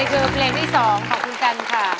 แล้วทีนี้คือเพลงที่๒ขอบคุณกัลค่ะ